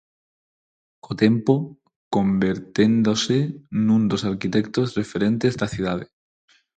Co tempo, converténdose nun dos arquitectos referentes da cidade.